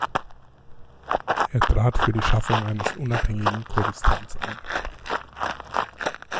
Er trat für die Schaffung eines unabhängigen Kurdistans ein.